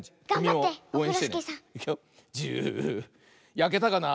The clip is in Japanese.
やけたかな。